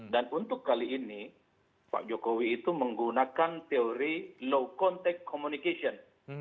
untuk kali ini pak jokowi itu menggunakan teori low contact communication